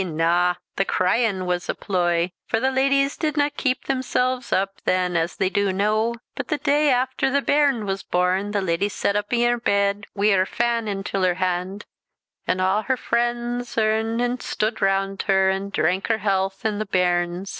Na; the cryin was a ploy, for the leddies did nae keep themsels up than as they do noo; but the day after the bairn was born, the leddy sat up i' her bed, wi' her fan intill her hand; an' aw her freends earn' an' stud roond her, an' drank her health an' the bairn's.